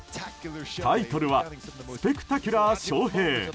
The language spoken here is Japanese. タイトルは「スペクタキュラー・ショウヘイ」。